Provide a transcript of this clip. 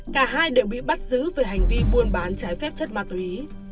cả hai đều bị bắt giữ về hành vi buôn bán trái phép chất ma túy